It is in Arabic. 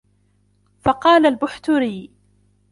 فَقَالَ الْبُحْتُرِيُّ